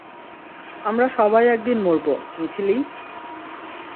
আমরা সবাই একদিন মরবো, মিথিলি।